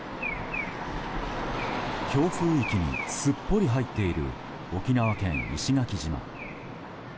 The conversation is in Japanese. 強風域にすっぽり入っている沖縄県石垣島。